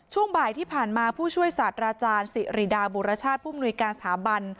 ช่วงบ่ายที่ผ่านมาผู้ช่วยศาสตราจารย์สิริดาบุรชาติผู้มนุยการสถาบัน